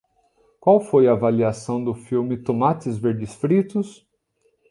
Qual foi a avaliação do filme Tomates Verdes Fritos?